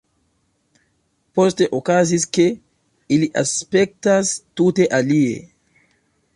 Poste okazis, ke li aspektas tute alie.